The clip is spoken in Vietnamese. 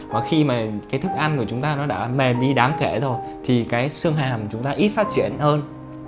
và khi mà cái thức ăn của chúng ta nó đã mềm đi đáng kể rồi thì cái xương hàm của chúng ta ít phát triển hơn